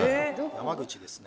山口ですね。